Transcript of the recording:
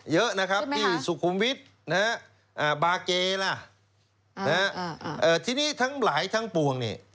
เยอะนะครับที่สุขุมวิทย์นะฮะบาเกล่ะทีนี้ทั้งหลายทั้งปวงนี่